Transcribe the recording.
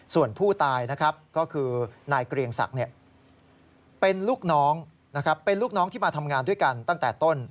ส่วนผู้ตายก็คือนายเกรียงศักดิ์เป็นลูกน้องที่มาทำงานด้วยกันตั้งแต่ต้น